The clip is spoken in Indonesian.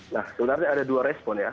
nah sebenarnya ada dua respon ya